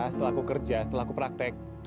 setelah aku kerja setelah aku praktek